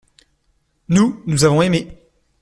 Nous, nous avons aimé.